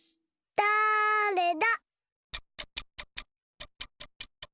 だれだ？